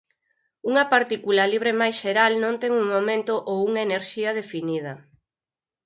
Unha partícula libre máis xeral non ten un momento ou unha enerxía definida.